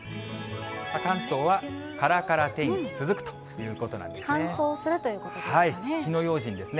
関東はからから天気続くということなんですね。